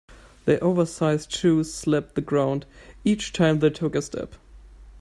Their oversized shoes slapped the ground each time they took a step.